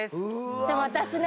でも私ね。